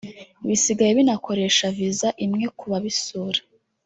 bisigaye binakoresha Viza imwe ku babisura